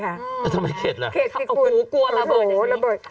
ทำไมเข็ดล่ะเข็ดสิคุณโอ้โฮละเบิด